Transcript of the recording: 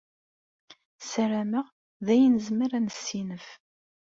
Sarameɣ d ayen nezmer ad nessinef.